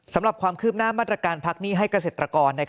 สำหรับความคืบหน้ามาตรการพักหนี้ให้เกษตรกร